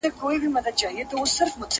دا په جرګو کي د خبرو قدر څه پیژني٫